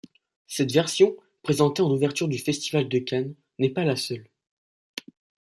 Cette version, présentée en ouverture du Festival de Cannes, n'est pas la seule.